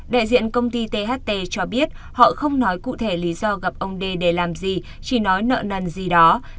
đại diện công ty tht cho biết họ không nói cụ thể lý do gặp ông d để làm gì chỉ nói nợ nần gì đó